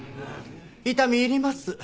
痛み入ります。